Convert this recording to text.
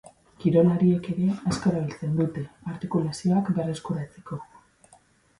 Kirolariek ere asko erabiltzen dute, artikulazioak berrekuratzeko.